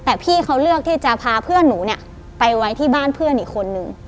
แต่พี่เขาเลือกที่จะพาเพื่อนหนูเนี่ยไปไว้ที่บ้านเพื่อนอีกคนนึง